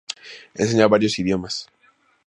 Enseña varios idiomas.